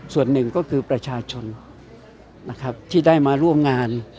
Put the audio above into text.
ส่วนหนึ่งก็คือประชาชนนะครับที่ได้มาร่วมงาน